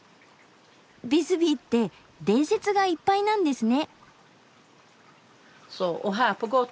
ビスビーって伝説がいっぱいなんですね。